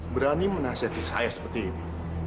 berani menasihati saya seperti ini